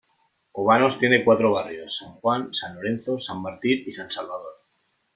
Obanos tiene cuatro barrios: San Juan, San Lorenzo, San Martín y San Salvador.